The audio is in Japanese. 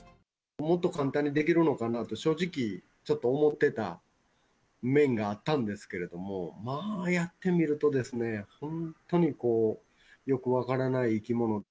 もっと簡単にできるのかなと、正直、ちょっと思ってた面があったんですけれども、まあ、やってみるとですね、本当によく分からない生き物。